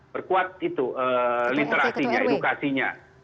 berkuat itu literasinya edukasinya